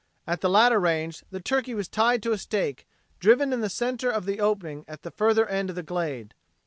At the latter range the turkey was tied to a stake driven in the center of the opening at the further end of the glade.